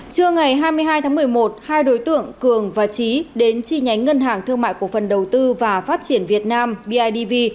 trưa ngày hai mươi hai tháng một mươi một hai đối tượng cường và trí đến chi nhánh ngân hàng thương mại cổ phần đầu tư và phát triển việt nam bidv